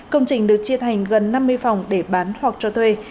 công trình được chia thành gần năm mươi phòng để bán hoặc cho thuê